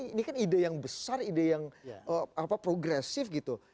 ini kan ide yang besar ide yang progresif gitu